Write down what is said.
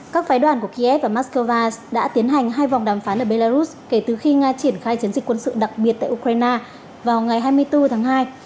các phái đoàn của kiev và moscow đã tiến hành hai vòng đàm phán ở belarus kể từ khi nga triển khai chiến dịch quân sự đặc biệt tại ukraine vào ngày hai mươi bốn tháng hai